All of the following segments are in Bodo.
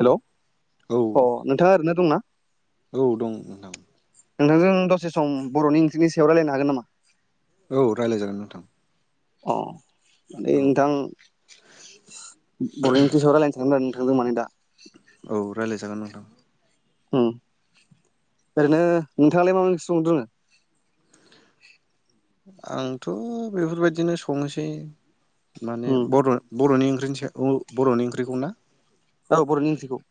हेलौ औ अ नोंथाङा ओरैनो दंना? औ दं नोंथां। नोंथांजों दसे सम बर'नि ओंख्रिनि सायाव रायलायनो हागोन नामा? औ रायलायजागोन नोंथां अ दे औ नोंथां [inaudible] बर'नि ओंख्रिनि सायाव रायलायनो सानदोंमोन आरो नों थांदों माने दा औ रायलायजागोन नोंथां ओं ओरैनो नोंथाङालाय मा मा ओंख्रि संनो रोङो आंथ' बेफोरबायदिनो संयोसै माने उम बर बर'नि ओंख्रि बिनि सायाव अ ब बर'नि ओंख्रिखौ ना औ बर'नि ओंख्रिखौ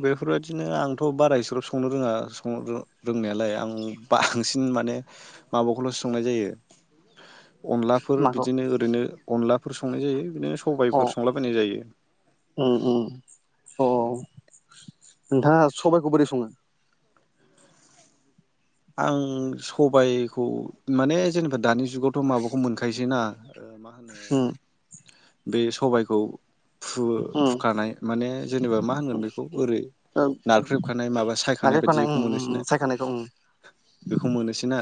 बेफोरबायदिनो आंथ' बारा इसेग्राब संनो रोङा संनो रोंनायालाय आं बांसिन माने माबाखौल'सो संनाय जायो अनलाफोर माखौ बिदिनो ओरैनो अनलाफोर संनाय जायो बिदिनो अ सबाइफोर संलाबायनाय जायो उम उम अ नोंथाङा सबाइखौ बोरै सङो? आं सबायखौ माने जेनेबा दानि जुगावथ' माबाखौ मोनखायोसै ना? मा होनो ओ बे सबायखौ फु उम फुखानाय माने जेनेबा मा होनगोन बेखौ ओरै ओं नारख्रेबखानाय माबा सायखानाय बादि नाख्रेबखानाय उम बेखौ मोनोसै उम ना उम सायखानायखौ उम बेखौ मोनोसै ना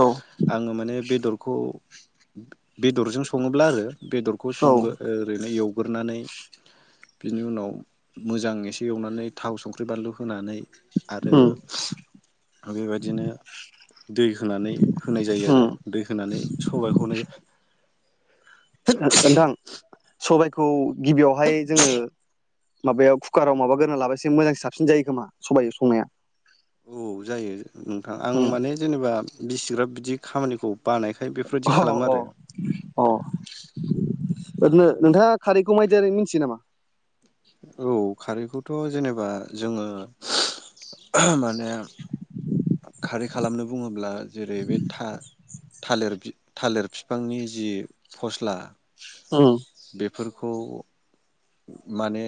औ आङो माने बे बेदरखौ बेदरजों सङोब्ला आरो बेदरखौ औ संगो ओरैनो एव उरनानै बिनि उनाव मोजां एसे एवनानै थाव संख्रि बानलु होनानै आरो उम अ बेबायदिनो दै होनानै होनाय जायो आरो उम दै होनानै सबायाइखौनो ओ ओनथां सबाय खौ गिबियाव बेवहाय जोङो माबायाव कुकाराव माबा गोरना लाबा एसे मोजां साबसिन जायो खोमा सबाइ संनाया औ जायो नोंथां आं उम माने जेनेबा बिसिग्रााब बिदि खामानिखौ बानायखाय बेफोरबायदि अ खालामो अ आरो अ ओरैनो नोंथाङा खारैखौ माइदि जाजायो मिथियो नामा औ खारैखौथ जेनेबा जोङो माने खारै खालामनो बुङोब्ला जेरै बे था थालिर बि थालिर बिफांनि जि फस्ला ओं फोरखौ माने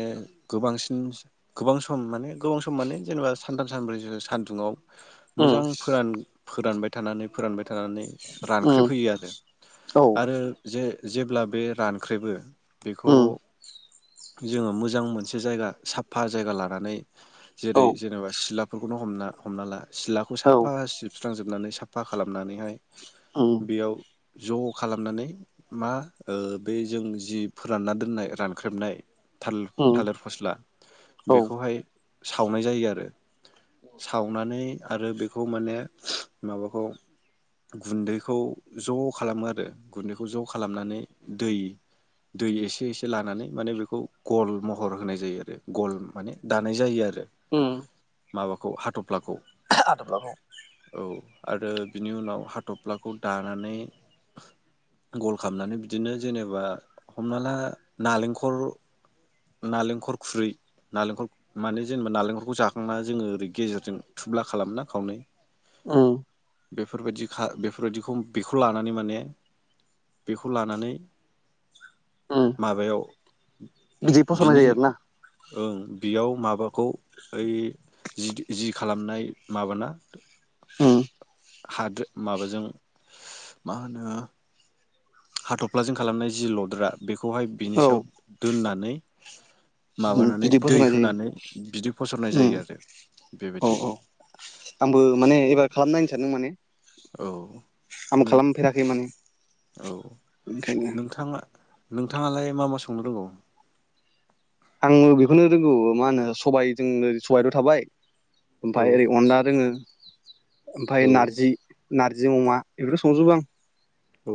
गोबांसिन गोबां सम माने गोबां सम माने जेनेबा सानथाम सानब्रैसो सानदुुंआव उम मोजां फोरान फोरानबाय थानानै फोरानबाय थानानै उम रानख्रेब होयो आरो औ आरो जे जेब्ला बे रानख्रेबो बेखौ उम जोङो मोजां मोनसे जायगा साफा जायगा लानानै औ जेरै जेनेबा सिला बेफोरखौनो हमना हमना ला सिलाखौ औ साफा सिबस्रो सुस्राजोबनानै साफा खालाम नानैहाय उम बेयाव ज खालामनानै मा ओ बे जों जि फोरानना दोननाय रानख्रेबनाय थाल उम थालिर फस्ला औ बेखौहाय सावनाय जायो आरो सावनानै आरो बेखौ माने माबाखौ गुन्दैखौ ज खालामो आरो गुन्दैखौ ज खालामनानै दै दै एसे एसे लानानै माने बे खौ गल महर होनाय जायो आरो गल माने दानाय जायो आरो ओम माबाखौ हाथफ्लाखौ हाथफ्लाखौ औ आरो बिनि उनाव हाथफ्लाखौ दानानै गल खालामनानै बिदिनो जेनेबा हमना ला नालेंखर खुरै नालेंखर माने जेनेबा नालेंखरखौ जाखांना जोङो ओरै गेजेरजों थुब्ला खालामो ना खावनै ओं बेफोरबायदि खा बेफोर बायदिखौ बेखौ लानानै माने बेखौ लानानै उम माबायाव बिदि फसंनाय बिनि जायो आरो ना ओं बेयाव माबाखौ ओइ जि जि खालामनाय माबाना ओम हादो माबाजों मा होनो हाथफ्लाजों खालामनाय जि लद्रा बेखौ बेखौहाय बिनि औ सायाव दोननानै माबानानै बिदि दै फसंनाय जायो होनानै बिदि फसरनाय जायो आरो उम औ बेबायदि औ आंबो माने एबार खालाम नायनो सानदों माने औ आं नों खालामफेराखै माने औ ओंखायनो नोंथाङा नोंथाङालाय मा मा संनो रोंगौ? आं बेखौनो रोंगौ मा होनो सबायजों सबायथ थाबाय। औ ओमफ्राय ओरै अनला रोंङो। ओमफ्राय औ नारजि नारजि अमा बेफोरखौ संजोबो आं। औ [inaudible]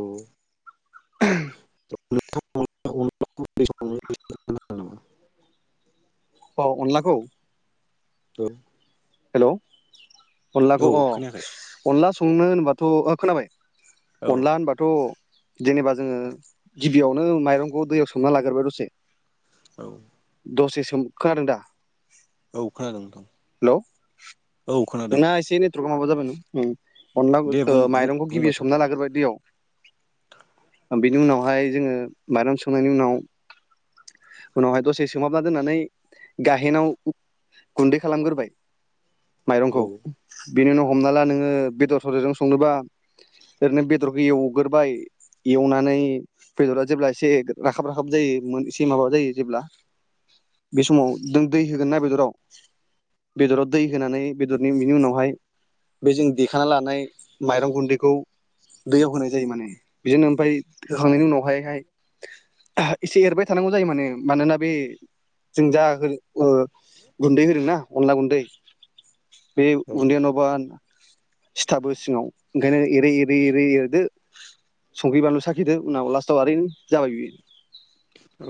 [unintelligible] अ अनलाखौ? ओं हेल अनलाखौ खोनायाखै अ अनला संनो होनबाथ ओ खोनाबाय। औ अनला होनबाथ जेनेबा जोङो गिबियावनो माइरंखौ दैयाव सोमना लाग्रोबाय दसे। औ दसे सोम खोनादों दा? औ खोनादोंं नोंथां। हेल औ खोनादों। [unintelligible] अनला गु दे ओ बुं बुं माइरंखौ बुंबाय गिबियाव था सोमना लाग्रोबाय दैयाव। बिनि उनावहाय जोंङो माइरं संनायनि उनाव उनावहाय दसे सोमाहाबना दोननानै गाहेनाव गुन्दै खालामग्रोबाय। औ माइरंखौ। बेनि उनाव हमना ला नोङो बेदर सेदरजों संनोबा ओरैनो बेदरखौ एवग्रोबाय एवनानै बेदरा जेब्ला एसे राखाब राखाब जायो एसे माबा जायो जेब्ला बे समाव नों दै होगोन ना बेदराव बेदराव दै होनानै बेदरनि बिनि उनावहाय बे जों देखाना लानाय माइरं गुन्दैखौ दैयाव होनाय जायो माने बिदिनो ओमफ्राय होखांनायनि उनावहायहाय एसे एरबाय थानांगौ जायो माने मानोना बे जों जा ओ गुन्दै होदोंना अनला गुन्दै बे औ गुन्दैया नङाबा सिथाबो सिङाव ओंखायनो एरै एरै एरै एरदो संख्रि बानलु साखिदो उनाव लास्टआव आरैनो जाबाय बियो। औ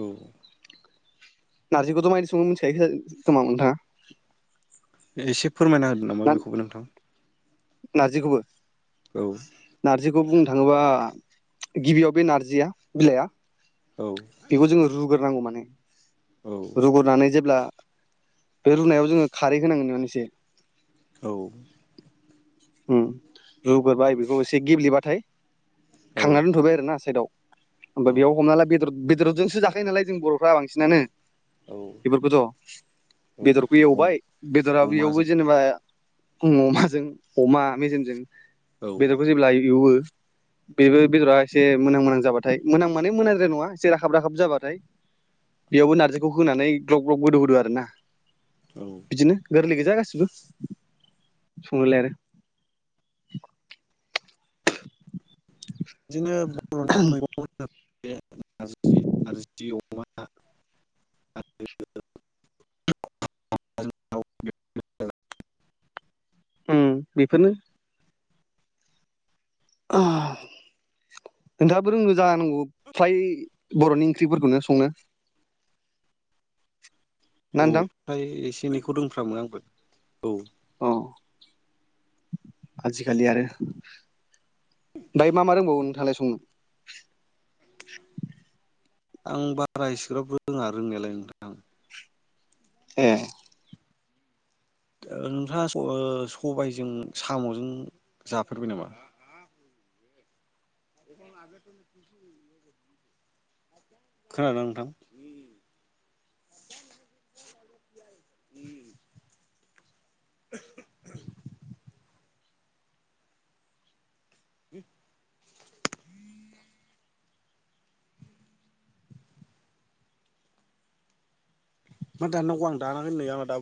नारजिखौथ मायदि संओ मोनथिखायो खोमा नोंथाङा? एसे फोरमायना होदो नामा बेखौबो नोंथां? नारजिखौबो औ। बेखौ बुंनो थाङोबा गिबियाव बे नारजिया बिलाइआ औ बेखौ जोङो रुगोन नांगौ माने औ रुगनानै जेब्ला बे रुनायाव जोङो खारै होनांगोन नानो एसे। औ। उम रुग्रोबाय बेखौ एसे गेब्लेबाथाय औ खांनानै दोनथ'बाय आरोना साइदआव ओमफाय बेयाव हमना ला बेदर बेदरदजोंसो जाखायो नालाय जों बर'फ्रा बांसिनानो। औ बेफोरखौथ' औ बेदरखौ औ एवबाय बेदरा बेयावबो अमाजों जेनेबा आं अमाजों अमा मेजेमजों औ बेदरखौ जेब्ला एवो बेबो बेदरा एसे मोनां मोनां जाबाथाय मोनां माने मोनांद्राय नङा एसे राखाब राखाब जाबाथाय बेयावबो नारजिखौ होनानै ग्लब ग्लब गोदौ होदो आरो ना औ बिदिनो गोरलै गोज जा गासिबो संङोलाय आरो [inaudible] बिदिनो बर'नि मैगं खोनो बे नारजि नारजि अमा आरो अनलाजो दाव उम बेफोरनो आहा नोंथाङाबो रोंगौ जानांगौ फ्राय बर'नि ओंख्रिफोरखौनो संनो? औ नोंथां ओमफाय एस एनैखौ रोंफ्रामो आंबो औ। अ आजिखालि आरो ओमफाय मा मा रोंबावो नोंथाङालाय संनो? आं बारा एसिग्राब रोङा रोंनायालाय नोंथां। ए। ओ नोंथांआ ओ सबायजों साम'जों जाफेरबाय नामा? [unintelligible] खोनादों ना नोंथां? उम। [unintelligible] उम। मा दान्नांगौ आं दानाखैनो नै आंना दाब